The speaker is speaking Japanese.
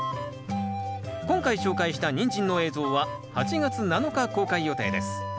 今回紹介したニンジンの映像は８月７日公開予定です。